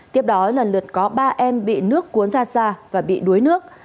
tiếp đó lần lượt có ba em bị nước cuốn ra xa và bị đuối nước